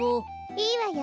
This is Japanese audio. いいわよ。